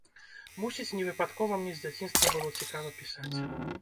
Мусіць, невыпадкова мне з дзяцінства было цікава пісаць.